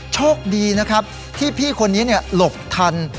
โชคดีนะครับที่พี่คนนี้หลบทัน